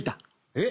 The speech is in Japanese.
えっ？